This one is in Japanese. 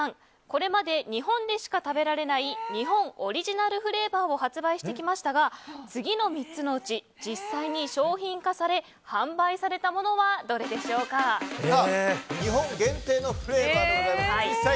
これまで日本でしか食べられない日本オリジナルフレーバーを発売してきましたが次の３つのうち実際に商品化され販売されたものは日本限定のフレーバーです。